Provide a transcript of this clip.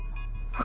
oke elsa tenang